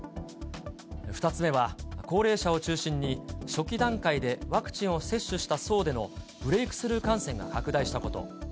２つ目は、高齢者を中心に初期段階でワクチンを接種した層でのブレイクスルー感染が拡大したこと。